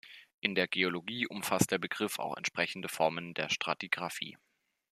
In der Geologie umfasst der Begriff auch entsprechende Formen der Stratigraphie.